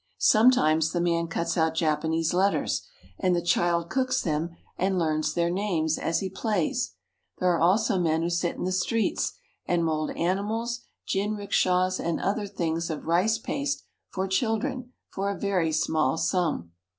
Sometimes the man cuts out Japanese letters, and the child cooks them and learns their names as he JAPANESE CHILDREN AT PLAY 73 plays. There are also men who sit in the streets and mold animals, jinrikishas, and other things of rice paste for children, for a very small sum.